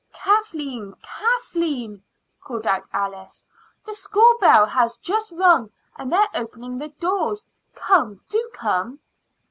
"Kathleen, Kathleen!" called out Alice. "The school bell has just rung, and they are opening the doors. Come do come."